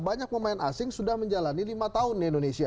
banyak pemain asing sudah menjalani lima tahun di indonesia